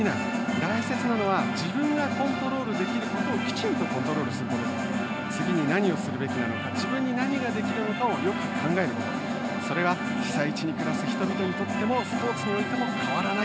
大切なのは自分がコントロールできることをきちんとコントロールして次に何をするべきか自分に何ができるかをよく考えるそれは、被災地に暮らす人々にとってもスポーツにおいても変わらない。